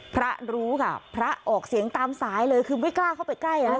รู้ค่ะพระออกเสียงตามสายเลยคือไม่กล้าเข้าไปใกล้